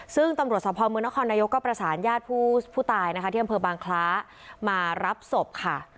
ซึ่งตำรวจสภาพเมืองนครนายกก็ประสานญาติผู้ตายนะคะที่อำเภอบางคล้ามารับศพค่ะ